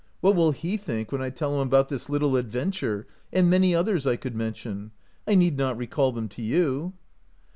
What will he think when I tell him about this little adventure, and many others I could mention? I need not recall them to you."